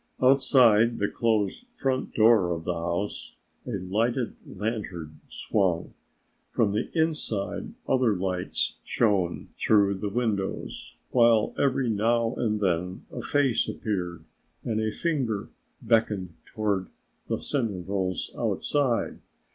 Outside the closed front door of the house a lighted lantern swung. From the inside other lights shone through the windows, while every now and then a face appeared and a finger beckoned toward the sentinels outside.